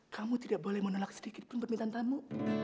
kamu tidak boleh menolak sedikit pun permintaan tamu